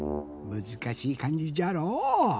むずかしい「かんじ」じゃろう。